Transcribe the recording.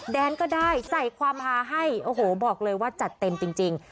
แดนก็ได้ใส่ความฮาให้โอ้โหบอกเลยว่าจัดเต็มจริง